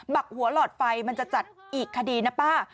ักหัวหลอดไฟมันจะจัดอีกคดีนะป้า